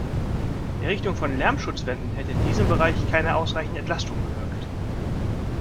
Die Errichtung von Lärmschutzwänden hätte in diesem Bereich keine ausreichende Entlastung bewirkt.